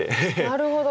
なるほど。